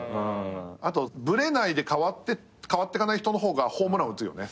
あとブレないで変わってかない人の方がホームラン打つよね。